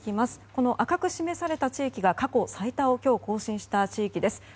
この赤く示された地域が過去最多を更新した地域です。